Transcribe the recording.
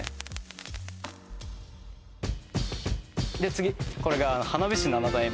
次これがあの花火師七代目